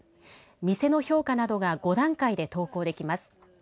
店の評価などが５段階で投稿できます。